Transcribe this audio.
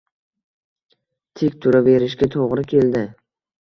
Tik turaverishga to‘g‘ri keldi.